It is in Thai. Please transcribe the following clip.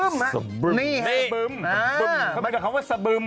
มันก็คำว่าสบึม